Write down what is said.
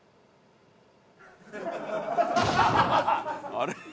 あれ？